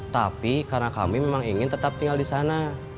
tapi karena kami memang ingin tetap tinggal di sana